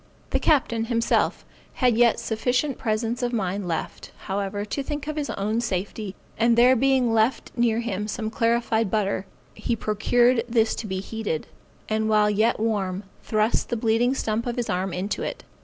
The captain, himself, had yet sufficient presence of mind left, however, to think of his own safety, and there being near him some clarified butter, he procured this to be heated, and while yet warm, thrust the bleeding stump of his arm into it.